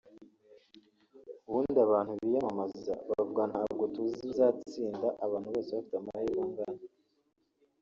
ubundi abantu biyamamaza bavuga ngo ntabwo tuzi uzatsinda abantu bose bafite amahirwe angana